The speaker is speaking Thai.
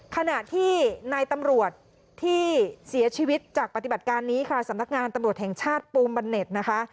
ขณะที่นายตำรวจที่เสียชีวิตจากปฏิบัติการนี้ค่ะสำนักงานตำรวจแห่งชาติปูมบันเน็ตนะคะ